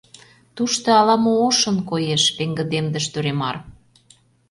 — Тушто ала-мо ошын коеш, — пеҥгыдемдыш Дуремар.